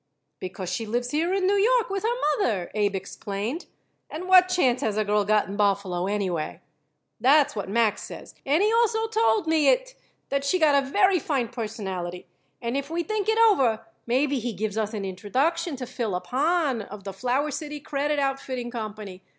"Because she lives here in New York with her mother," Abe explained; "and what chance has a girl got in Buffalo, anyway? That's what Max says, and he also told it me that she got a very fine personality, and if we think it over maybe he gives us an introduction to Philip Hahn, of the Flower City Credit Outfitting Company.